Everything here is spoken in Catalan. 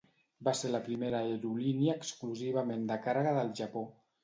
Va ser la primera aerolínia exclusivament de càrrega del Japó.